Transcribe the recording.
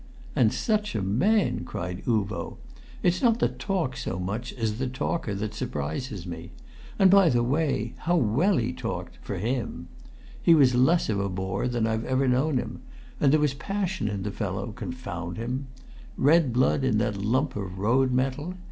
"And such a man!" cried Uvo. "It's not the talk so much as the talker that surprises me; and by the way, how well he talked, for him! He was less of a bore than I've ever known him; there was passion in the fellow, confound him! Red blood in that lump of road metal!